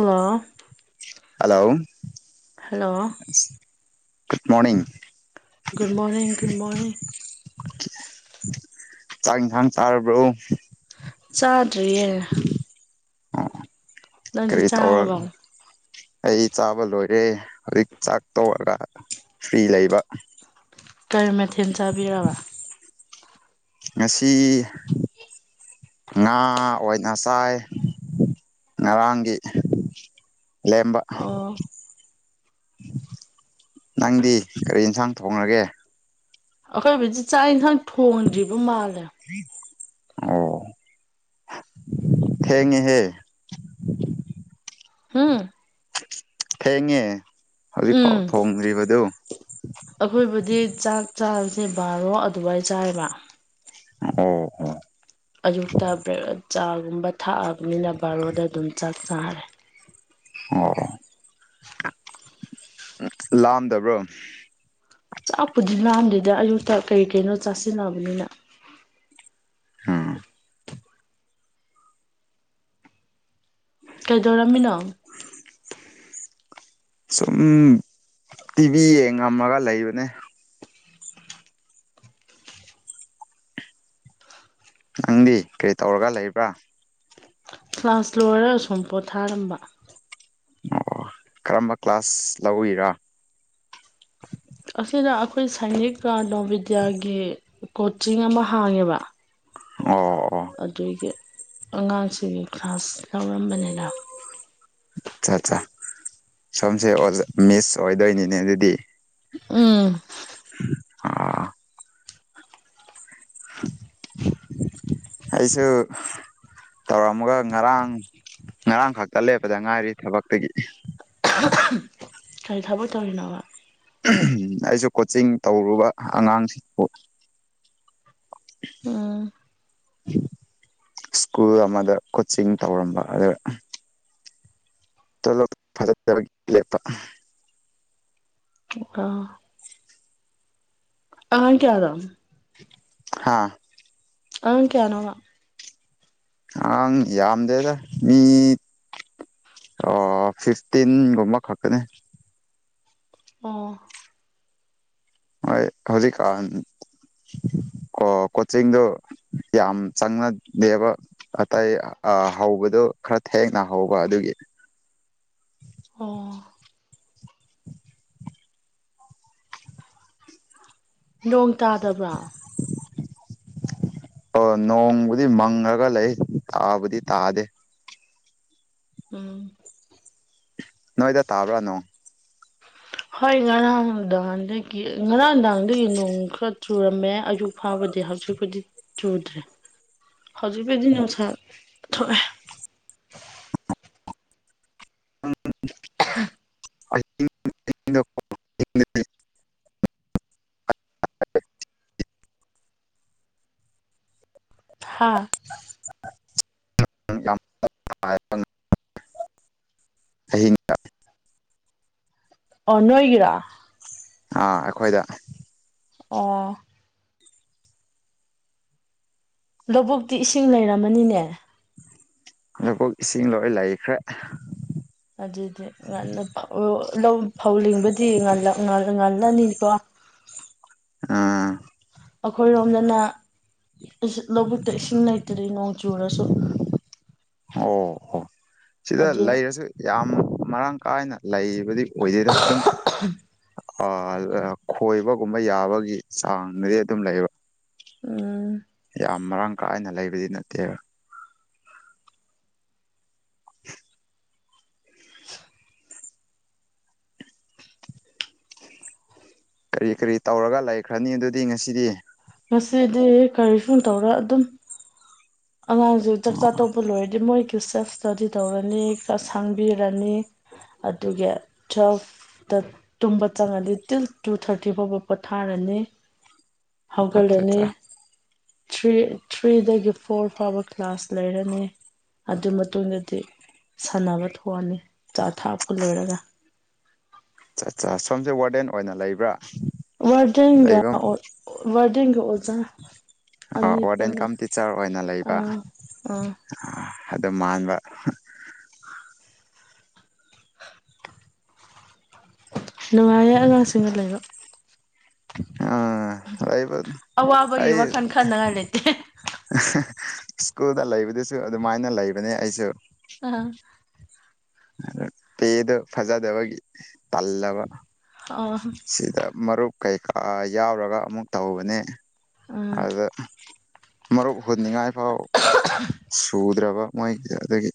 hello hello hello good morning good morning good morning ꯆꯥꯛ ꯊꯥꯡ ꯇꯥꯔꯕ꯭ꯔꯣ ꯆꯥꯗꯔꯤꯌꯦ ꯑ ꯅ ꯆꯥꯕꯅ ꯑꯩ ꯆꯥꯕ ꯂꯣꯏꯔꯦ ꯍꯧꯖꯤꯛ ꯆꯥꯛ ꯇꯧꯔꯒ ꯐ꯭ꯔꯤ ꯂꯩꯕ ꯀꯔꯤ ꯃꯊꯦꯜ ꯆꯥꯕꯤꯔꯕ ꯉꯁꯤ ꯉꯥ ꯑꯣꯏꯠ ꯉꯁꯥꯏ ꯉꯔꯥꯡꯒꯤ ꯂꯦꯝꯕ ꯑꯣ ꯅꯪꯗꯤ ꯀꯔꯤ ꯌꯦꯟꯁꯥꯡ ꯊꯣꯡꯅꯒꯦ ꯑꯩꯈꯣꯏ ꯍꯧꯗꯤ ꯆꯥꯛ ꯌꯦꯟꯁꯥꯡ ꯊꯣꯡꯗ꯭ꯔꯤꯕ ꯃꯥꯜꯂꯦ ꯑꯣ ꯍꯦꯉꯦ ꯍꯦ ꯍꯥꯝ ꯊꯦꯡꯉꯦ ꯍꯧꯖꯤꯛꯐꯥꯎ ꯎꯝ ꯊꯣꯡꯗ꯭ꯔꯤꯕꯗꯨ ꯑꯩꯈꯣꯏꯕꯨꯗꯤ ꯆꯥꯛ ꯆꯥꯕꯁꯦ ꯕꯥꯔꯣ ꯑꯗꯨꯋꯥꯏ ꯆꯥꯏꯕ ꯑꯣ ꯑꯣ ꯑꯌꯨꯛꯇ ꯕ꯭ꯔ ꯆꯥꯒꯨꯝꯕ ꯊꯥꯛꯑꯕꯅꯤꯅ ꯕꯥꯔꯣꯗ ꯑꯗꯨꯝ ꯆꯥꯛ ꯆꯥꯔꯦ ꯑꯣ ꯎ ꯂꯥꯛꯑꯝꯗꯕ꯭ꯔꯣ ꯆꯥꯛꯄꯨꯗꯤ ꯂꯝꯗꯦꯗ ꯑꯌꯨꯛꯇ ꯀꯔꯤ ꯀꯩꯅꯣ ꯆꯥꯁꯤꯟꯅꯕꯅꯤꯅ ꯑ ꯀꯩꯗꯧꯔꯝꯃꯤꯅꯣ ꯁꯨꯝ ꯇꯤꯚꯤ ꯌꯦꯡꯉꯝꯃꯒ ꯂꯩꯕꯅꯦ ꯅꯪꯗꯤ ꯀꯔꯤ ꯇꯧꯔꯒ ꯂꯩꯕ꯭ꯔꯥ ꯀ꯭ꯂꯥꯁ ꯂꯣꯏꯔꯒ ꯁꯨꯝ ꯄꯣꯊꯥꯔꯝꯕ ꯑꯣ ꯀꯔꯝꯕ ꯀ꯭ꯂꯥꯁ ꯂꯧꯋꯔ ꯑꯁꯤꯗ ꯑꯩꯈꯣꯏ ꯁꯥꯏꯅꯤꯛ ꯀꯥ ꯅꯣꯚꯤꯕꯤꯗ꯭ꯌꯥꯒꯤ ꯀꯣꯆꯤꯡ ꯑꯃ ꯍꯥꯡꯉꯦꯕ ꯑꯣ ꯑꯣ ꯑꯗꯨꯏꯒꯤ ꯑꯉꯥꯡꯁꯤꯡ ꯀ꯭ꯂꯥꯁ ꯂꯧꯔꯝꯕꯅꯦꯗ ꯁꯝꯁꯦ ꯑꯣꯖꯥ ꯃꯤꯁ ꯑꯣꯏꯗꯣꯏꯅꯤꯅꯦ ꯑꯗꯨꯗꯤ ꯎꯝ ꯑꯥ [inaudible] ꯑꯩꯁꯨ ꯇꯧꯔꯝꯃꯥꯒ ꯉꯔꯥꯡ ꯉꯔꯥꯡ ꯈꯛꯇ ꯂꯦꯞꯄꯗ ꯉꯥꯏꯔꯤ ꯊꯕꯛꯇꯒꯤ ꯀꯥꯔꯤ ꯊꯕꯛ ꯇꯧꯔꯤꯅꯣꯕ ꯎꯝ ꯑꯩꯁꯨ ꯀꯣꯆꯤꯡ ꯇꯧꯔꯨꯕ ꯑꯉꯥꯡꯁꯤꯡꯕꯨ ꯎꯝ ꯁ꯭ꯀꯨꯜ ꯑꯃꯗ ꯀꯣꯆꯤꯡ ꯇꯧꯔꯝꯕ ꯑꯔꯥ ꯇꯣꯂꯣꯞ [unintelligible] ꯂꯦꯄꯥ ꯑꯥ ꯥꯑꯉꯥꯡ ꯀ꯭ꯌꯥꯗꯥ ꯍꯥꯥ ꯑꯥꯉꯥꯡ ꯀ꯭ꯌꯥꯅꯣꯕ ꯑꯉꯥꯡ ꯌꯥꯝꯗꯦꯗ ꯃꯤ ꯐꯤꯐꯇꯤꯟꯒꯨꯝꯕ ꯈꯛꯇꯅꯦ ꯑꯣ ꯍꯣꯏ ꯍꯧꯖꯤꯛ ꯀꯥꯟ [inaudible] ꯑꯣ ꯀꯣꯆꯤꯡꯗꯣ ꯌꯥꯝ ꯆꯪꯅ ꯗꯦꯕ ꯑꯇꯩ ꯑꯥ ꯍꯧꯕꯗꯣ ꯈꯔ ꯊꯦꯡꯅ ꯍꯧꯕ ꯑꯗꯨꯒꯤ ꯑꯣ ꯅꯣꯡ ꯇꯥꯗꯥꯕ꯭ꯔꯥ ꯑꯣ ꯅꯣꯡꯕꯨꯗꯤ ꯃꯪꯉꯥꯒ ꯂꯩ ꯇꯥꯕꯥꯗꯤ ꯇꯥꯗꯦ ꯎꯝ ꯅꯣꯏꯗ ꯇꯥꯕ꯭ꯔꯥ ꯅꯣꯡ ꯍꯣꯏ ꯉꯔꯥꯡ ꯗꯥ ꯍꯟꯗꯒꯤ ꯉꯔꯥꯡ ꯗꯥꯡꯗꯒꯤ ꯅꯣꯡ ꯈꯔ ꯆꯨꯔꯝꯃꯦ ꯑꯌꯨꯛ ꯐꯥꯎꯕꯥ ꯍꯧꯖꯤꯛ ꯄꯨꯗꯤ ꯆꯨꯗ꯭ꯔꯦ ꯍꯧꯖꯤꯛꯕꯨꯗꯤ ꯅꯨꯡꯁꯥ ꯊꯣꯛꯑꯦ ꯑꯥ [unintelligible] [inaudible] ꯑ [unintelligible] [inaudible] ꯍꯥꯥ ꯍꯍꯤꯡ ꯀ [unintelligible] ꯑꯣ ꯅꯣꯏꯒꯤꯔꯥ ꯑꯥ ꯑꯩꯈꯣꯏꯗ ꯑꯣ ꯂꯣꯕꯨꯛꯇꯤ ꯏꯁꯤꯡ ꯂꯩꯔꯝꯃꯅꯤꯅꯦ ꯂꯥꯕꯨꯛ ꯏꯁꯤꯡ ꯂꯣꯏ ꯂꯩꯈ꯭ꯔꯦ ꯑꯗꯨꯗꯤ ꯉꯟꯅ ꯐꯧ ꯂꯣ ꯂꯧ ꯐꯧ ꯂꯤꯡꯕꯗꯤ ꯉꯜꯂꯥ-ꯉꯜꯂꯥ-ꯉꯜꯂꯅꯤꯀꯣ ꯎꯝ ꯑꯈꯣꯏꯔꯣꯝꯗꯅ ꯏꯁꯤꯡ ꯂꯧꯕꯨꯛꯇ ꯏꯁꯤꯡ ꯂꯩꯇꯥꯔꯤ ꯅꯣꯡ ꯆꯨꯔꯥꯁꯨ ꯑꯣ-ꯑꯣ ꯁꯤꯗ ꯂꯩꯔꯁꯨ ꯌꯥꯝ ꯃꯔꯥꯡ ꯀꯥꯏꯅ ꯂꯩ ꯌ ꯑꯣꯏꯗꯇꯝ ꯈꯣꯏꯕꯒꯨꯝꯕ ꯌꯥꯕꯒꯤ ꯆꯥꯡꯅꯗꯤ ꯑꯗꯨꯝ ꯂꯩꯕ ꯎꯝ ꯌꯥꯝ ꯃꯔꯥꯡ ꯀꯥꯏꯅ ꯂꯩꯕꯗꯤ ꯅꯠꯇꯦꯕ [unintelligible] [unintelligible] ꯀꯔꯤ ꯀꯔꯤ ꯇꯧꯔꯒ ꯂꯩꯈ꯭ꯔꯅꯤ ꯑꯗꯨꯗꯤ ꯉꯁꯤꯗꯤ ꯉꯁꯤꯗꯤ ꯀꯔꯤꯁꯨ ꯇꯧꯔ ꯑꯗꯨꯝ ꯑꯉꯥꯡꯁꯨ ꯆꯥꯛ ꯑꯣ ꯆꯥ ꯇꯧꯕ ꯂꯣꯏꯔꯗꯤ ꯃꯣꯏ ꯔꯤꯆꯔ ꯏꯁꯇꯗꯤ ꯇꯧꯔꯅꯤ ꯈ ꯁꯥꯡꯕꯤꯔꯅꯤ ꯑꯗꯨꯒ ꯇ꯭ꯋꯦꯜꯐꯇ ꯇꯨꯝꯕ ꯆꯪꯉꯅꯤ ꯇꯤꯜ ꯇꯨ ꯊꯥꯔꯇꯤ ꯐꯥꯎꯕ ꯄꯣꯊꯥꯔꯅꯤ ꯑꯠꯆꯥ ꯍꯧꯒꯗꯅꯤ ꯑꯠꯆꯥ ꯊ꯭ꯔꯤ ꯊ꯭ꯔꯤꯗꯒꯤ ꯐꯣꯔ ꯐꯥꯎꯕ ꯀ꯭ꯂꯥꯁ ꯂꯩꯔꯅꯤ ꯑꯗꯨ ꯃꯇꯨꯡꯗꯗꯤ ꯁꯥꯟꯅꯕ ꯊꯣꯛꯑꯅꯤ ꯆꯥ ꯊꯥꯄ ꯂꯣꯏꯔꯒ ꯠꯆꯥ ꯁꯣꯝꯁꯦ ꯋꯥꯔꯗꯦꯟ ꯑꯣꯏꯅ ꯂꯩꯕ꯭ꯔꯥ ꯋꯥꯗꯤꯒ ꯂꯩꯕ ꯋꯥꯔꯗꯤ ꯑꯣꯖꯥ ꯑꯅꯤ ꯋꯥꯔꯗꯟ ꯄꯨꯜꯂꯦ ꯀꯝ ꯇꯤꯆꯔ ꯑꯣꯏꯅ ꯂꯩꯕ ꯑꯥ ꯑꯥ ꯑꯗꯣ ꯃꯥꯡꯕ ꯅꯨꯡꯉꯥꯏꯌꯦꯦ ꯑꯉꯥꯡꯁꯤꯡꯒ ꯂꯩꯕ ꯑ ꯑꯩꯕ ꯑꯋꯥꯕꯒꯤ ꯑꯩ ꯋꯥꯈꯜ ꯈꯟꯅꯉꯥꯏ ꯂꯩꯇꯦ ꯁ꯭ꯀꯨꯜꯗ ꯂꯩꯕꯗꯨꯁꯨ ꯑꯗꯨꯃꯥꯏꯅ ꯂꯩꯕꯅꯦ ꯑꯩꯁꯨ ꯑ ꯄꯦꯗ ꯐꯖꯗꯋꯥꯒꯤ ꯇꯜꯕ ꯑꯥ ꯁꯤꯗ ꯃꯔꯨꯞ ꯀꯩꯀꯥ ꯌꯥꯎꯔꯒ ꯑꯃꯨꯛ ꯇꯧꯕꯅꯦ ꯎꯝ ꯑꯗꯨꯗ ꯃꯔꯨꯞ ꯍꯨꯅꯤꯉꯥꯏ ꯐꯥꯎ ꯁꯨꯗ꯭ꯔꯕ ꯃꯣꯏꯒꯤ ꯑꯗꯨꯗꯒꯤ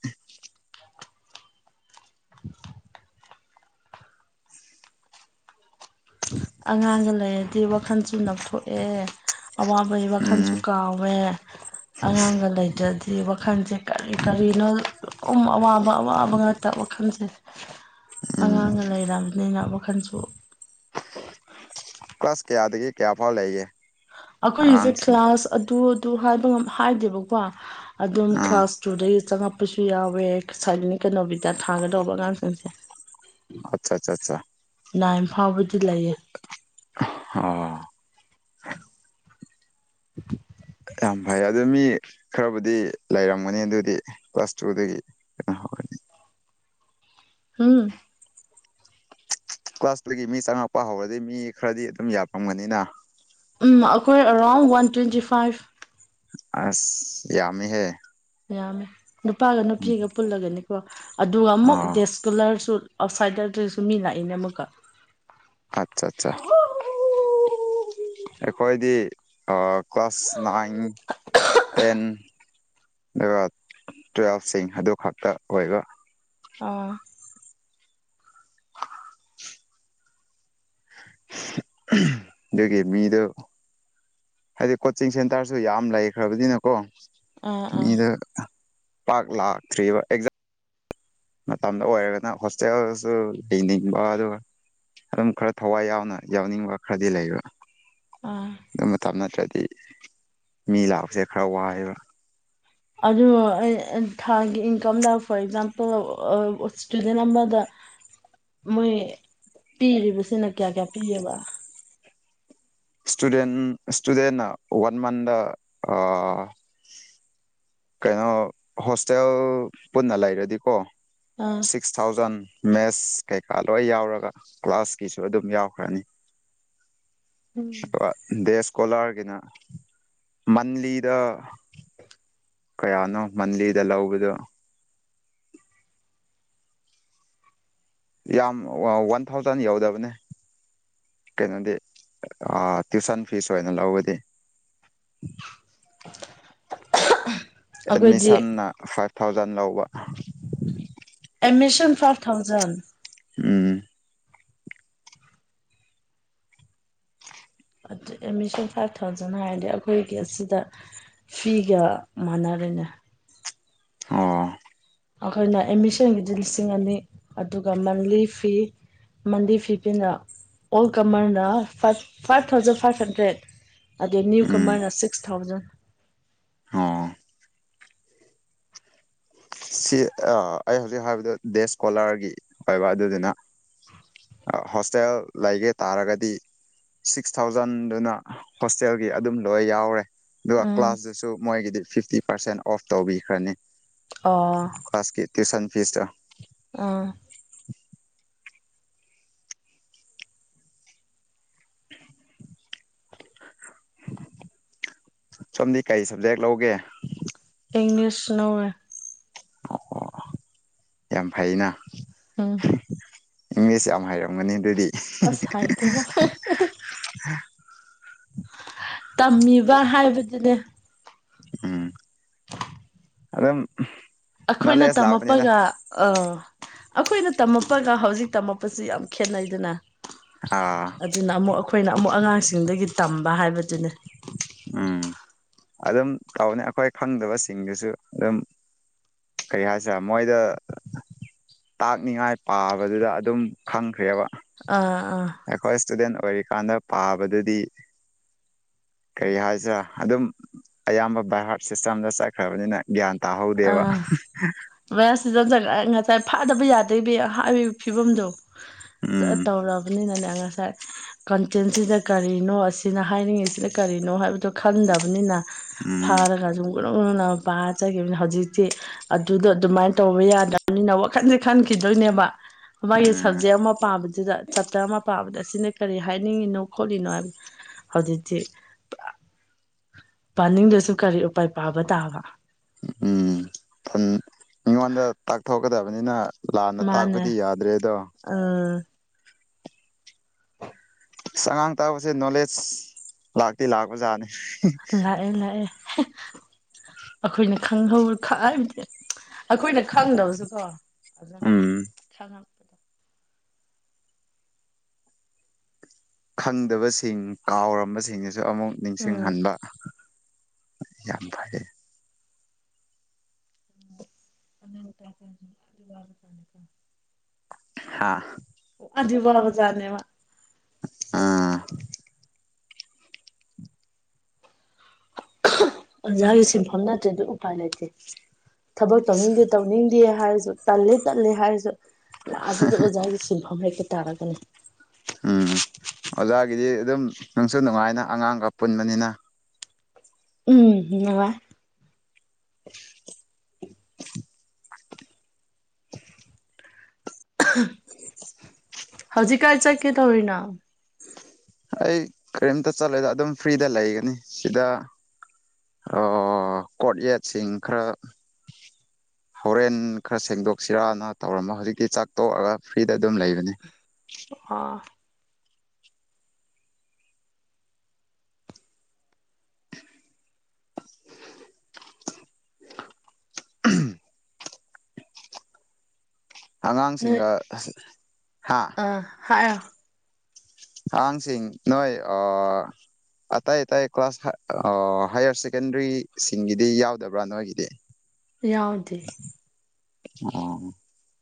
[unintelligible] ꯑꯉꯥꯡꯒ ꯂꯩꯔꯗꯤ ꯋꯥꯈꯜ ꯅꯞꯊꯣꯛꯑꯦ ꯑꯋꯥꯕꯒꯤ ꯎꯝ ꯋꯥꯈꯜꯁꯨ ꯀꯥꯎꯋꯦ ꯑꯉꯥꯡꯒ ꯂꯩꯖꯗꯦ ꯋꯥꯈꯜꯁꯦ ꯀꯔꯤ ꯀꯔꯤꯅꯣ ꯑꯋꯥꯕ ꯋꯥꯕ ꯉꯥꯛꯇ ꯋꯥꯈꯜꯁꯦ ꯎꯝ ꯑꯉꯥꯡꯒ ꯂꯩꯔꯕꯅꯤꯅ ꯋꯥꯈꯜꯁꯨ ꯄ꯭ꯂꯁ ꯀꯌꯥꯗꯒꯤ ꯀꯌꯥ ꯐꯥꯎ ꯂꯩꯒꯦ ꯑꯩꯈꯣꯏꯒꯤꯁꯦ ꯑꯉꯥꯡꯁꯤꯡ ꯀ꯭ꯂꯥꯁ ꯑꯗꯨ ꯑꯗꯨ ꯍꯥꯏꯕ ꯍꯥꯏꯗꯦꯕꯀꯣ ꯑꯗꯨꯝ ꯑꯥ ꯀ꯭ꯂꯥꯁ ꯇꯨ ꯗ ꯆꯪꯉꯛꯄꯁꯨ ꯌꯥꯎꯋꯦꯁꯥꯏꯅꯤ ꯀꯩꯅꯣꯕꯤꯗ ꯊꯥꯒꯗꯧꯕ ꯑꯉꯥꯡꯁꯤꯡꯁꯦ ꯑꯆꯥ ꯑꯆꯥ ꯑꯆꯥ ꯏꯝꯐꯥꯎꯕꯨꯗꯤ ꯂꯩꯌꯦ ꯑꯣ [unintelligible] [unintelligible] ꯌꯥꯝ ꯐꯩ ꯑꯗꯨ ꯃꯤ ꯈꯔꯕꯨꯗꯤ ꯂꯩꯔꯝꯒꯅꯤ ꯑꯗꯨꯗꯤ ꯀ꯭ꯂꯥꯁ ꯇꯨꯗꯒꯤ ꯀꯩꯅꯣ ꯍꯧꯒꯅꯤ ꯑꯝ ꯀ꯭ꯂꯥꯁꯇꯒꯤ ꯃꯤ ꯆꯪꯉꯛꯄ ꯍꯧꯔꯗꯤ ꯃꯤ ꯈꯔꯗꯤ ꯑꯗꯨꯝ ꯌꯥꯐꯝꯒꯅꯤꯅ ꯎ ꯑꯩꯈꯣꯏ ꯑꯔꯥꯎꯟ ꯋꯥꯟ ꯇ꯭ꯋꯦꯟꯇꯤ ꯐꯥꯏꯚ ꯑꯁ ꯌꯥꯝꯃꯤ ꯍꯦ ꯌꯥꯝꯃꯦ ꯅꯨꯄꯥꯒ ꯅꯨꯄꯤꯒ ꯄꯨꯜꯂꯒꯅꯤꯀꯣ ꯑꯗꯨꯒ ꯑꯃꯨꯛ ꯑꯣ ꯗꯦꯁꯀꯨꯂꯔꯁꯨ ꯑꯥꯎꯠꯁꯥꯏꯗꯗꯁꯨ ꯃꯤ ꯂꯥꯛꯏꯅꯦ ꯑꯃꯨꯛꯀ ꯑꯆꯥ ꯑꯠꯆꯥ ꯑꯩꯈꯣꯏꯗꯤ ꯀ꯭ꯂꯥꯁ ꯅꯥꯏꯟ ꯇꯦꯟ ꯑꯗꯨꯒ ꯇꯨꯋꯦꯜꯐꯁꯤꯡ ꯑꯗꯨ ꯈꯛꯇ ꯑꯣꯏꯕ ꯑꯣ [unintelligible] ꯗꯒꯤꯦ ꯃꯤꯗ ꯍꯥꯏꯗꯤ ꯀꯣꯆꯤꯡ ꯁꯦꯟꯇꯔꯁꯨ ꯌꯥꯝ ꯂꯩꯈ꯭ꯔꯕꯅꯤꯅꯀꯣ ꯑꯥ ꯑꯥ ꯃꯤꯗ ꯄꯥꯛ ꯂꯥꯛꯇ꯭ꯔꯤꯕ ꯑꯦꯛꯖꯥꯝ ꯃꯇꯝꯗ ꯑꯣꯏꯔꯒꯅ ꯍꯣꯁꯇꯦꯜꯁꯨ ꯂꯩꯡꯅꯤꯡꯕ ꯑꯗꯨꯒ ꯑꯗꯨꯝ ꯈꯔ ꯊꯋꯥꯏ ꯌꯥꯎꯅ ꯌꯥꯎꯅꯤꯡꯕ ꯈꯔꯗꯤ ꯂꯩꯕ꯭ꯔꯥ ꯑꯥ ꯑꯗꯨ ꯃꯇꯝꯞ ꯅꯠꯇ꯭ꯔꯗꯤ ꯃꯤ ꯂꯥꯛꯄꯁꯦ ꯈꯔ ꯋꯥꯏꯑꯕ ꯑꯗꯨ ꯊꯥꯒꯤ ꯏꯟꯀꯝꯗ ꯐꯣꯔ ꯑꯦꯛꯖꯥꯝꯄꯜ ꯏꯁꯇꯨꯗꯦꯟ ꯑꯃꯗ ꯃꯣꯏ ꯄꯤꯔꯤꯕꯁꯤꯅ ꯀꯌꯥ ꯀꯌꯥ ꯄꯤꯌꯦꯕ ꯁꯨꯗꯦꯟ ꯁꯨꯗꯦꯟ ꯋꯥꯟ ꯃꯟ ꯑ ꯀꯩꯅꯣ ꯍꯣꯁꯇꯦꯜ ꯄꯨꯟꯅ ꯂꯩꯔꯗꯤꯀꯣ ꯑꯥ ꯁꯤꯛꯁ ꯊꯥꯎꯖꯟ ꯃꯦꯠꯁ ꯀꯩꯀꯥ ꯂꯣꯏ ꯌꯥꯎꯔꯒ ꯀ꯭ꯂꯥꯁꯀꯤꯁꯨ ꯑꯗꯨꯝ ꯌꯥꯎꯈ꯭ꯔꯅꯤ ꯎꯝ ꯗꯦꯁꯀꯣꯂꯥꯔꯒꯤꯅ ꯃꯟꯂꯤꯗ ꯀꯌꯥꯅꯣ ꯃꯟꯗꯤꯗ ꯂ ꯎꯧꯕꯗꯨ ꯌꯥꯝ ꯋꯥꯟ ꯊꯥꯎꯖꯟ ꯌꯎꯗꯕꯅꯦ ꯀꯩꯅꯣꯗꯤ ꯇ꯭ꯋꯨꯁꯟ ꯐꯤꯁ ꯑꯣꯏꯅ ꯂꯧꯕꯗꯤ ꯑꯩꯈꯣꯏꯗꯤ ꯑꯦꯠꯃꯤꯁꯟꯅ ꯐꯥꯏꯚ ꯊꯥꯎꯖꯟ ꯂꯧꯕ ꯑꯦꯃꯦꯖꯟ ꯐꯥꯏꯚ ꯊꯥꯎꯖꯟ ꯎꯝ ꯑꯗꯨ ꯑꯦꯠꯃꯤꯁꯟ ꯐꯥꯏꯚ ꯊꯥꯎꯖꯟ ꯍꯥꯏꯔꯗꯤ ꯑꯩꯈꯣꯏꯒꯤ ꯑꯁꯤꯗ ꯐꯤꯒ ꯃꯥꯟꯅꯔꯦꯅꯦ ꯑꯣ ꯑꯩꯈꯣꯏꯅ ꯑꯦꯠꯃꯤꯁꯟꯒꯤꯗꯤ ꯂꯤꯁꯤꯡ ꯑꯅꯤ ꯑꯗꯨꯒ ꯃꯟꯂꯤ ꯐꯤ ꯃꯟꯗꯤ ꯐꯤꯞꯇꯤꯗ ꯑꯣꯜ ꯀꯃꯔꯅ ꯐꯥꯏ ꯐꯥꯏꯚ ꯊꯥꯎꯖꯟ ꯐꯥꯏꯚ ꯍꯟꯗ꯭ꯔꯦꯠ ꯑꯗꯩ ꯅ꯭ꯌꯨ ꯀꯃꯥꯏꯅ ꯁꯤꯛꯁ ꯊꯥꯎꯖꯟ ꯍ ꯁꯤ ꯑꯩ ꯍꯧꯖꯤꯛ ꯍꯥꯏꯕꯗ ꯗꯦꯁꯀꯣꯂꯥꯔꯒꯤ ꯑꯣꯏꯕ ꯑꯗꯨꯗꯨꯅ ꯍꯣꯁꯇꯦꯜ ꯂꯩꯒꯦ ꯇꯥꯔꯒꯗꯤ ꯁꯤꯛꯁ ꯊꯥꯎꯖꯟꯗꯨꯅ ꯍꯣꯁꯇꯦꯜꯒꯤ ꯑꯗꯨꯝ ꯂꯣꯏ ꯌꯥꯎꯔꯦ ꯑꯗꯨꯒ ꯎꯝ ꯀ꯭ꯂꯥꯁꯇꯁꯨ ꯃꯣꯏꯒꯤꯗꯤ ꯐꯤꯐꯇꯤ ꯄꯥꯔꯁꯦꯟ ꯑꯣꯐ ꯇꯧꯕꯤꯈ꯭ꯔꯅꯤ ꯑ ꯇ꯭ꯌꯨꯁꯟ ꯐꯤꯁꯇ ꯑꯥ [unintelligible] ꯁꯣꯝꯗꯤ ꯀꯩ ꯁꯕꯖꯦꯛ ꯂꯧꯒꯦ ꯏꯪꯅꯤꯁ ꯅꯧꯋꯦ ꯑꯣ ꯌꯥꯝ ꯐꯩꯅ ꯑꯝ ꯏꯪꯂꯤꯁ ꯌꯥꯝ ꯍꯩꯔꯝꯒꯅꯤ ꯑꯗꯨꯗꯤ ꯑꯁ ꯍꯥꯏꯥꯏ ꯀꯦꯗ ꯇꯝꯃꯤꯕ ꯍꯥꯏꯕꯗꯨꯅꯦ ꯎꯝ ꯑꯗꯝ ꯑꯩꯈꯣꯏꯅ ꯇꯝꯂꯄꯒ ꯑꯥ ꯑꯩꯈꯣꯏꯅ ꯇꯝꯂꯄꯒ ꯍꯧꯖꯤꯛ ꯇꯝꯃꯛꯄꯁꯤ ꯌꯥꯝ ꯈꯦꯠꯅꯩꯗꯅ ꯑꯥ ꯑꯗꯨꯅ ꯑꯃꯨꯛ ꯑꯩꯈꯣꯏꯅ ꯑꯃꯨꯛ ꯑꯉꯥꯡꯁꯤꯡꯗꯒꯤ ꯇꯝꯕ ꯍꯥꯏꯕꯗꯨꯅꯤ ꯎꯝ ꯑꯗꯨꯝ ꯇꯧꯅꯤ ꯑꯩꯈꯣꯏ ꯈꯪꯗꯕꯁꯤꯡꯗꯨꯁꯨ ꯑꯗꯨꯝ ꯀꯩ ꯍꯥꯏꯥꯁ ꯃꯣꯏꯣꯏꯗ ꯇꯥꯛꯅꯤꯉꯥꯏ ꯄꯥꯕꯗꯨꯗ ꯑꯗꯨꯝ ꯈꯪꯈ꯭ꯔꯦꯕ ꯑꯥ ꯑꯥ ꯀꯔꯤ ꯀꯥꯟꯗ ꯄꯥꯕꯗꯗꯤ ꯀꯔꯤ ꯍꯥꯏꯁꯤꯔꯥ ꯑꯗꯨꯝ ꯑꯌꯥꯝꯕ ꯕꯥꯏ ꯍꯥꯔꯠ ꯁꯤꯁꯇꯦꯝꯗ ꯆꯠꯈ꯭ꯔꯕꯅꯤꯅ ꯒ꯭ꯌꯥꯟ ꯇ ꯑ ꯃ ꯁꯤꯖ ꯆ ꯉꯁꯥꯏ ꯐꯥꯗꯕ ꯌꯥꯗꯕ ꯍꯥꯏꯔꯤꯕ ꯐꯤꯕꯝꯗꯣ ꯎꯝ ꯇꯧꯔꯕꯅꯤꯅꯅꯦ ꯉꯁꯥꯏ ꯉꯁꯥꯏ ꯀꯟꯇꯦꯟꯁꯤꯗ ꯀꯔꯤꯅꯣ ꯑꯁꯤꯅ ꯍꯥꯏꯅꯤꯡꯉꯤꯁꯤꯅ ꯀꯔꯤꯅꯣ ꯍꯥꯏꯕꯗꯣ ꯈꯟꯗꯕꯅꯤꯅ ꯎꯝ ꯐꯥꯔꯒ ꯁꯨꯝꯅꯅꯅ ꯄꯥꯖꯈꯤꯕꯅꯤꯅ ꯍꯧꯖꯤꯛꯇꯤ ꯑꯗꯨꯗꯣ ꯑꯗꯨꯃꯥꯏꯅ ꯇꯧꯕ ꯌꯥꯗ꯭ꯔꯕꯅꯤꯅ ꯋꯥꯈꯟꯁꯦ ꯈꯟꯈꯤꯗꯣꯏꯅꯦꯕ ꯒꯤ ꯁꯕꯖꯌꯥ ꯑꯃ ꯄꯥꯕ ꯑꯗꯨꯗ ꯆꯥꯞꯇꯔ ꯑꯃ ꯄꯥꯕꯗ ꯑꯁꯤꯅ ꯀꯔꯤ ꯍꯥꯏꯅꯤꯡꯉꯤꯅꯣ ꯈꯣꯠꯂꯤꯅꯣ ꯍꯥꯏꯕ ꯍꯧꯖꯤꯛꯇꯤ [unintelligible] ꯄꯥꯅꯤꯡꯗꯨꯁꯨ ꯀꯔꯤ ꯎꯄꯥꯏ ꯄꯥꯕ ꯇꯥꯕ ꯎꯝ ꯎꯝ ꯃꯤꯉꯣꯟꯗ ꯇꯥꯛꯊꯣꯛꯀꯗꯕꯅꯤꯅ ꯂꯥꯟꯅ ꯇꯥꯛꯄꯗꯤ ꯃꯥꯅꯦ ꯌꯥꯗ꯭ꯔꯦ ꯑꯗꯣ ꯑ ꯑꯉꯥꯡ ꯇꯥꯕꯁꯦ ꯅꯣꯂꯦꯖ ꯂꯥꯛꯇꯤ ꯂꯥꯛꯄ ꯖꯥꯠꯅꯤ ꯂꯥꯛꯑꯦ ꯂꯥꯛꯑꯦ ꯑꯩꯈꯣꯏꯅ ꯈꯪꯍꯧꯔ ꯈ ꯍꯥꯏꯕꯗꯤ ꯑꯩꯈꯣꯏꯅ ꯈꯪꯗꯕꯁꯨ ꯀꯣ ꯑꯗꯨꯝ ꯎꯝ ꯈꯪꯗꯕꯁꯤꯡ ꯀꯥꯎꯔꯝꯕꯁꯤꯡꯁꯤꯁꯨ ꯑꯃꯨꯛ ꯎꯝ ꯅꯤꯡꯁꯤꯡꯍꯟꯕ ꯌꯥꯝ ꯐꯔꯦ ꯑꯅ ꯑꯗꯨ ꯇ ꯀ ꯑꯗꯨ ꯋꯥꯔ ꯀꯅ ꯀ ꯍꯥꯥ ꯑꯗꯨꯗꯤ ꯋꯥꯕꯖꯥꯅꯦꯕ ꯑꯥ ꯑꯣꯖꯥꯒꯤ ꯁꯤꯟꯐꯝ ꯅꯠꯇ꯭ꯔꯦ ꯑꯗꯨ ꯎꯄꯥꯏ ꯂꯩꯇꯦ ꯊꯕꯛ ꯇꯧꯅꯤꯡꯗꯦ ꯇꯧꯅꯤꯡꯗꯦ ꯍꯥꯏꯔꯁꯨ ꯇꯜꯂꯦ ꯇꯜꯂꯦ ꯍꯥꯏꯔꯁꯨ ꯂꯥꯁꯤꯗ ꯑꯣꯖꯥꯒꯤ ꯁꯤꯟꯐꯝ ꯂꯩꯩꯀꯦ ꯇꯥꯔꯒꯅꯤ ꯎꯝ ꯑꯣꯖꯥꯒꯤꯗꯤ ꯑꯗꯨꯝ ꯅꯨꯡꯁꯨ ꯅꯨꯡꯉꯥꯏꯅ ꯑꯉꯥꯡꯒ ꯄꯨꯟꯕꯅꯤꯅ ꯎꯝ ꯋꯥ ꯍꯧꯖꯤꯛꯀꯥꯏ ꯆꯠꯀꯦ ꯇꯧꯔꯤꯅ ꯑꯩ ꯀꯔꯤꯝꯇ ꯆꯠꯂꯦꯗ ꯑꯗꯨꯝ ꯐ꯭ꯔꯤꯗ ꯂꯩꯒꯅꯤ ꯁꯤꯗ ꯑꯣ ꯀꯣꯠ ꯌꯦꯠꯁꯤꯡ ꯈꯔ [inaudible] ꯍꯣꯔꯦꯟ ꯈꯔ ꯁꯦꯡꯗꯣꯛꯁꯤꯔꯅ ꯇꯧꯔꯝꯕ ꯍꯧꯖꯤꯛꯇꯤ ꯆꯥꯛ ꯇꯣꯛꯑꯒ ꯐ꯭ꯔꯤꯗ ꯑꯗꯨꯝ ꯂꯩꯕꯅꯤ ꯑꯥ ꯑꯉꯥꯡꯁꯤꯡꯒ ꯑ ꯍꯥ ꯑꯥꯡꯁꯤꯡ ꯅꯣꯏ ꯑ ꯑꯇꯥꯏ ꯑꯇꯥꯏ ꯀ꯭ꯂꯥꯁ ꯍꯥꯏꯌꯔ ꯁꯦꯀꯦꯟꯗꯔꯤꯁꯤꯡꯒꯤꯗꯤ ꯌꯥꯎꯗꯕ꯭ꯔꯥ ꯅꯣꯏꯒꯤꯗꯤ ꯌꯥꯎꯗꯦ ꯑ